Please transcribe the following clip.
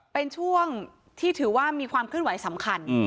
เป็นช่วงที่ถือว่ามีความเคลื่อนไหวสำคัญ